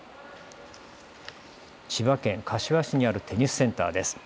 千葉県柏市にあるテニスセンターです。